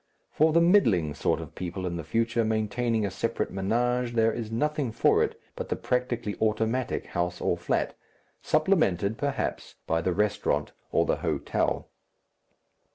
For the middling sort of people in the future maintaining a separate ménage there is nothing for it but the practically automatic house or flat, supplemented, perhaps, by the restaurant or the hotel.